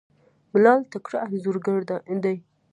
بلال تکړه انځورګر دی.